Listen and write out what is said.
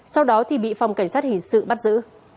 sau đó thì bị phòng cảnh sát hình sự bắt giữ